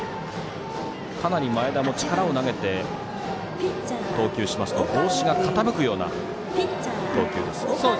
かなり前田も力を入れて投球しますと帽子が傾くような投球です。